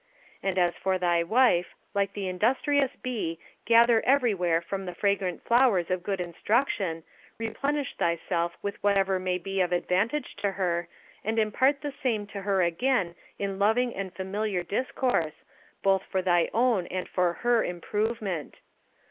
And as for thy wife, like the industrious bee, gather everywhere from the fragrant flowers of good instruction, replenish thyself with whatever may be of advantage to her, and impart the same to her again in loving and familiar discourse, both for thy own and her improvement.